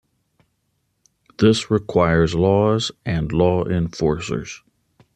This requires laws and law enforcers.